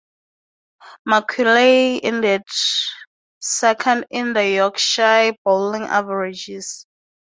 Macaulay ended second in the Yorkshire bowling averages.